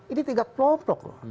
ini tiga kelompok loh